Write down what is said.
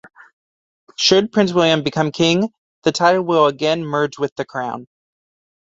Should Prince William become king, the title will again merge with the Crown.